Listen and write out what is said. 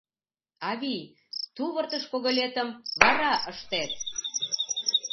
— Авий, тувыртыш когылетым вара ыштет!